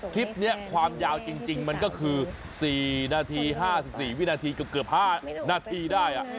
คลิปนี้ความยาวจริงมันก็คือ๔นาที๕๔วินาทีเกือบ๕นาทีได้